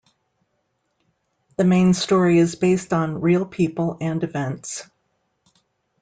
The main story is based on real people and events.